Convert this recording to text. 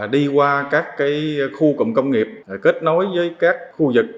đi qua các khu cụm công nghiệp kết nối với các khu vực